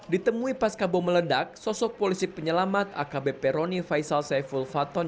ditemui pas kabom meledak sosok polisi penyelamat akb peroni faisal saiful faton